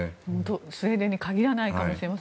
スウェーデンに限らないかもしれません。